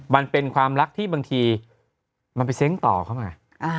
มันเป็นความรักที่บางทีมันไปเซ้งต่อเข้ามา